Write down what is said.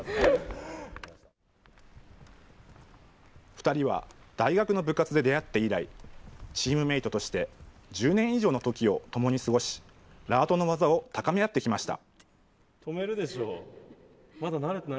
２人は大学の部活で出会って以来、チームメートとして１０年以上の時を共に過ごし、ラートの技を高め合ってきました。